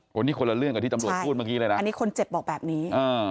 วันนี้คนละเรื่องกับที่ตำรวจพูดเมื่อกี้เลยนะอันนี้คนเจ็บบอกแบบนี้